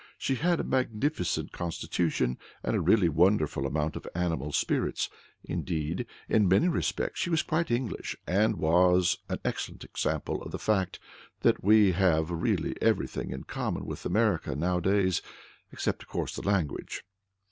She had a magnificent constitution, and a really wonderful amount of animal spirits. Indeed, in many respects, she was quite English, and was an excellent example of the fact that we have really everything in common with America nowadays, except, of course, language.